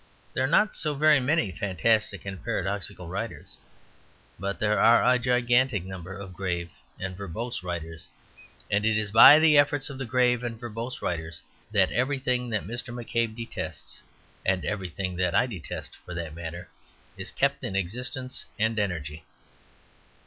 There are not so very many fantastic and paradoxical writers. But there are a gigantic number of grave and verbose writers; and it is by the efforts of the grave and verbose writers that everything that Mr. McCabe detests (and everything that I detest, for that matter) is kept in existence and energy.